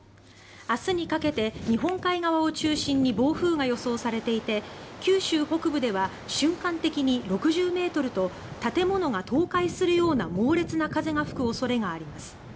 明日にかけて日本海側を中心に暴風が予想されていて九州北部では瞬間的に６０ｍと建物が倒壊するような猛烈な風が吹く恐れがあります。